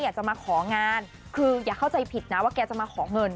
อยากจะมาของานคืออย่าเข้าใจผิดนะว่าแกจะมาขอเงิน